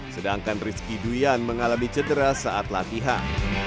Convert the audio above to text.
sedangkan rizky duyan mengalami cedera saat latihan